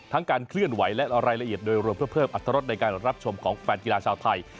การเคลื่อนไหวและรายละเอียดโดยรวมเพื่อเพิ่มอัตรรสในการรับชมของแฟนกีฬาชาวไทย